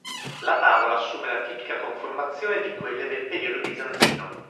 La tavola assume la tipica conformazione di quelle del periodo bizantino.